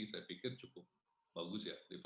saya pikir cukup bagus ya liverpool ya